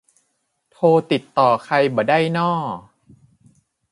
โทรติดต่อใครบ่ได้น่อ